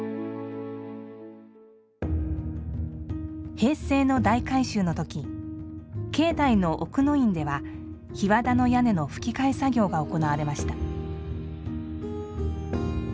平成の大改修の時境内の奥の院では檜皮の屋根の葺き替え作業が行われました。